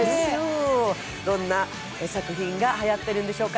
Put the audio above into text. どんな作品がはやってるんでしょうか。